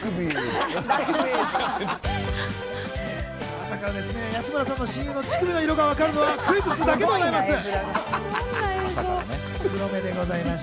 朝から安村さんの親友の乳首の色がわかるのはクイズッスだけでございます。